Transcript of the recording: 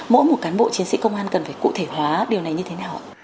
mỗi một cán bộ chiến sĩ công an cần phải cụ thể hóa điều này như thế nào ạ